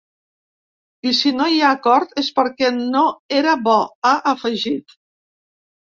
I si no hi ha acord és perquè no era bo, ha afegit.